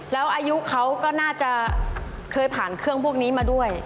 แล้วอายุเขาก็น่าจะเคยผ่านเครื่องพวกนี้มาด้วย